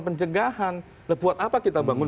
pencegahan buat apa kita bangun